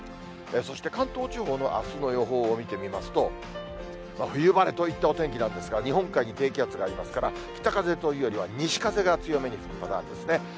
そして関東地方のあすの予報を見てみますと、冬晴れといったお天気なんですが、日本海に低気圧がありますから、北風というよりは西風が強めに吹くパターンですね。